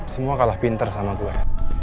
semua kalah pinter sama gue